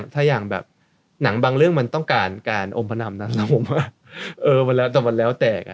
ถ้าอย่างแบบหนังบางเรื่องมันต้องการการอมพนัมนั้นแต่มันแล้วแตก